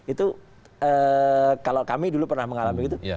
itu kalau kami dulu pernah mengalami itu